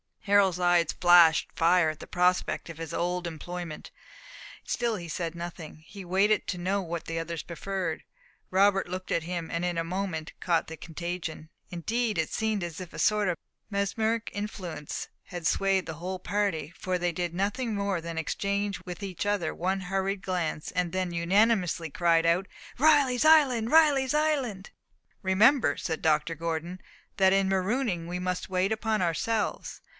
Harold's eyes flashed fire at the prospect of his old employment; still he said nothing; he waited to know what the others preferred. Robert looked at him, and in a moment caught the contagion. Indeed it seemed as if a sort of mesmeric influence had swayed the whole party, for they did nothing more than exchange with each other one hurried glance, and then unanimously cried out, "Riley's Island! Riley's Island!" "Remember," said Dr. Gordon, "that in marooning we must wait upon ourselves.